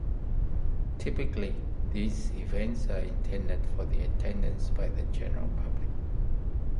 Typically, these events are intended for attendance by the general public.